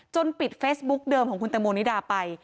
ปิดเฟซบุ๊กเดิมของคุณตังโมนิดาไป